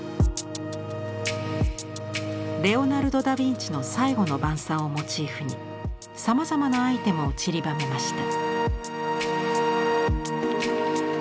レオナルド・ダ・ヴィンチの「最後の晩餐」をモチーフにさまざまなアイテムをちりばめました。